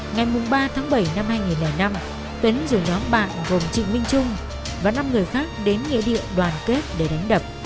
ngày ba tháng bảy năm hai nghìn năm tuấn dùng nhóm bạn gồm trịnh minh trung và năm người khác đến nghĩa địa đoàn kết để đánh đập